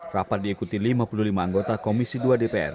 rapat diikuti lima puluh lima anggota komisi dua dpr